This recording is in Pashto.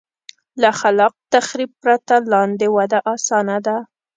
له خلاق تخریب پرته لاندې وده اسانه ده.